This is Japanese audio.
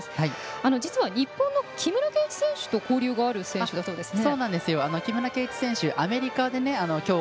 実は日本の木村敬一選手と交流がある選手だそうですね。